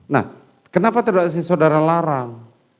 nah kenapa tidak saudara larang